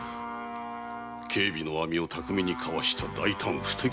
警備の網を巧みにかわした大胆不敵な犯行だ。